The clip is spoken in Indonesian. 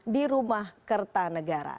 di rumah kerta negara